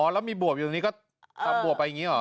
แล้วมีบวบอยู่ตรงนี้ก็ทำบวบไปอย่างนี้หรอ